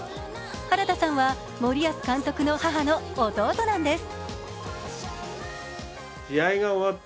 原田さんは森保監督の母の弟なんです。